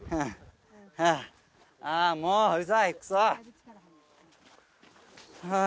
あー、もう、うざい、くそー。